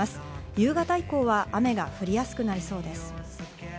夕方以降は雨が降りやすくなりそうです。